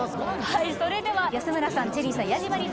はいそれでは安村さんチェリーさんヤジマリー。